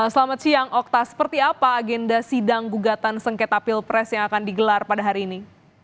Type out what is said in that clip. selamat siang okta seperti apa agenda sidang gugatan sengketa pilpres yang akan digelar pada hari ini